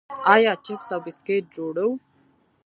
آیا چپس او بسکټ جوړوو؟